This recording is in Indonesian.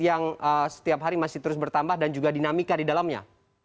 yang setiap hari masih terus bertambah dan juga dinamika di dalamnya